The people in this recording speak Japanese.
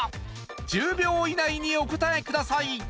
１０秒以内にお答えください